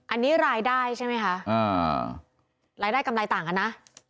อันนี้รายได้ใช่ไหมคะรายได้กำไรต่างกันนะ